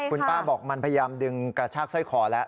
คุณป้าบอกมันพยายามดึงกระชากสร้อยคอแล้ว